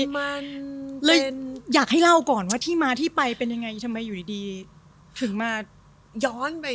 แล้วอยากให้เล่าก่อนว่าที่มาที่ไปเป็นยังไงทำไมอยู่ดีถึงมา